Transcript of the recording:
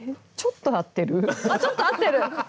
あっちょっと合ってる⁉アハハ！